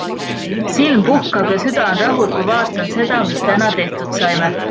Silm puhkab ja süda on rahul, kui vaatan seda, mis täna tehtud saime.